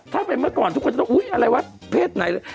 ถ้าเป็นเมื่อก่อนทุกคนจะต้องอุ๊ยอะไรวะเพศไหน